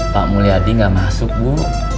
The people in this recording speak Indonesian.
pak mulyadi nggak masuk bu